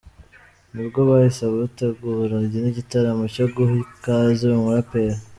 ni bwo bwahise butegura n’igitaramo cyo guha ikaze uyu muraperi.